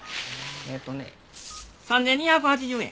えっとね３２８０円。